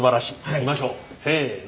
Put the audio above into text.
いきましょうせの！